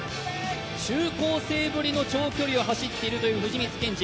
中高生ぶりの長距離を走っているという藤光謙司。